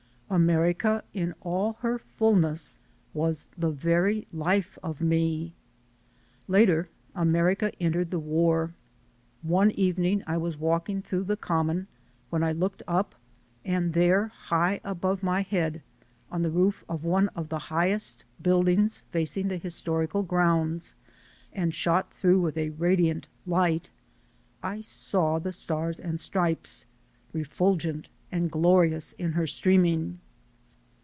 America in all her fullness was the very life of me. Later America entered the War. One evening I was walking through the Com mon when I looked up and there, high above my head, on the roof of one of the highest buildings facing the historical grounds, and shot through with a radiant light, I saw the Stars and Stripes, refulgent and glorious in her streaming.